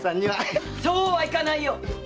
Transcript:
そうはいかないよ！